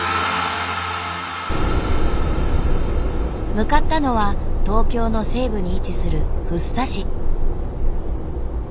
向かったのは東京の西部に位置する福生市。